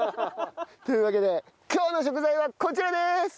というわけで今日の食材はこちらです！